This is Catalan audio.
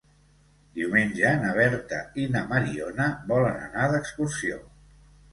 Diumenge na Berta i na Mariona volen anar d'excursió.